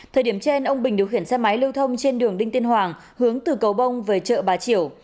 thời điểm trên ông bình điều khiển xe máy lưu thông trên đường đinh tiên hoàng hướng từ cầu bông về chợ bà chiểu